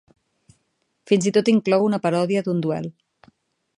Fins i tot inclou una paròdia d'un duel.